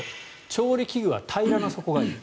調理器具は平らな底がいい。